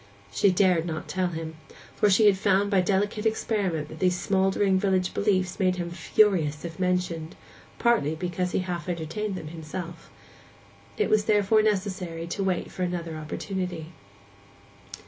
She dared not tell him, for she had found by delicate experiment that these smouldering village beliefs made him furious if mentioned, partly because he half entertained them himself. It was therefore necessary to wait for another opportunity.